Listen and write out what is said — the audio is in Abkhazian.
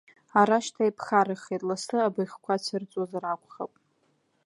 Ара шьҭа иԥхаррахеит, лассы абыӷьқәа цәырҵуазар акәхап.